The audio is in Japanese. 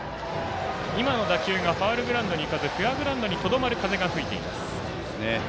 今の打球がファウルグラウンドにいかずフェアグラウンドにとどまる風が吹いています。